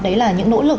đấy là những nỗ lực